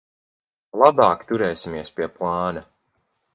Labāk turēsimies pie plāna.